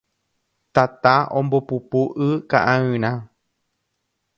Tata ombopupu y ka'ayrã